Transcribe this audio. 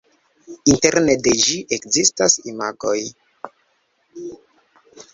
Interne de ĝi ekzistas imagoj.